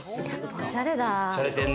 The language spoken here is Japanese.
おしゃれだ。